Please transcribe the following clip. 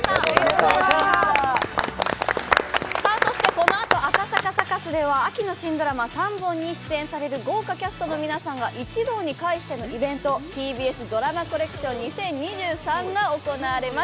このあと、赤坂サカスでは秋の新ドラマ３本に出演される豪華キャストの皆さんが一堂に会してのイベント「ＴＢＳＤＲＡＭＡＣＯＬＬＥＣＴＩＯＮ２０２３」が開催されます。